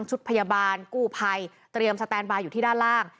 ชุดพยาบาลกู้ภัยเตรียมสแตนบาร์อยู่ที่ด้านล่าง